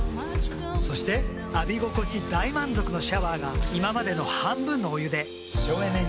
そして浴び心地大満足のシャワーが今までの半分のお湯で省エネに。